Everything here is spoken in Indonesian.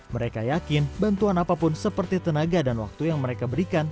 mereka yakin bantuan apapun seperti tenaga dan waktu yang mereka berikan